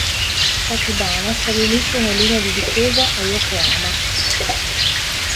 Tachibana stabilisce una linea di difesa a Yokohama.